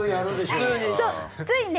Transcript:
ついね。